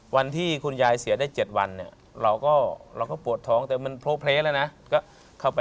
วันที่คุณยายเสียได้๗วันเราก็ปวดท้องเพราะเทพเลเลยนะ